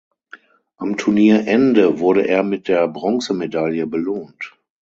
Am Turnierende wurde er mit der Bronzemedaille belohnt.